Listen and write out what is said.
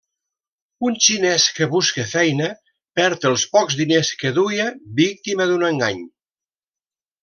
Un xinès que busca feina perd els pocs diners que duia víctima d'un engany.